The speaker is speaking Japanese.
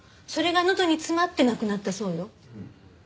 それがのどに詰まって亡くなったそうよ。